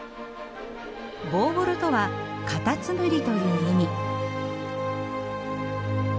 ボーヴォロとはカタツムリという意味。